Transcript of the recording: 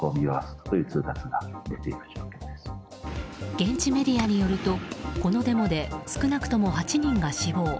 現地メディアによるとこのデモで少なくとも８人が死亡。